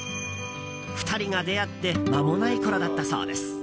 ２人が出会って間もないころだったそうです。